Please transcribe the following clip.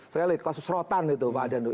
sekali lagi kasus rotan itu pak adi andoyo